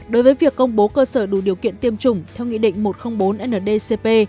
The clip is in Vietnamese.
đối với việc công bố cơ sở đủ điều kiện tiêm chủng theo nghị định một trăm linh bốn ndcp